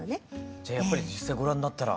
じゃあやっぱり実際ご覧になったら。